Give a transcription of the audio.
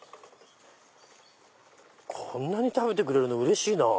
こんなに食べてくれるのうれしいなぁ。